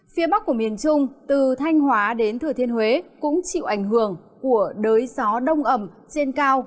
phía bắc của miền trung từ thanh hóa đến thừa thiên huế cũng chịu ảnh hưởng của đới gió đông ẩm trên cao